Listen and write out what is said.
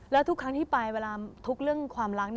แล้วทุกครั้งที่ไปเวลาทุกข์เรื่องความรัก